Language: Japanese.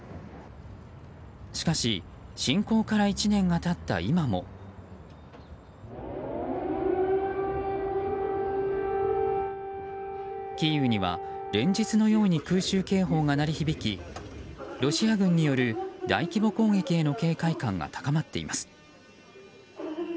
しかし侵攻から１年が経った今もキーウには連日のように空襲警報が鳴り響きロシア軍による大規模攻撃への警戒感が高まっています。